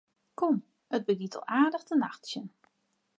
Kom, it begjint al aardich te nachtsjen.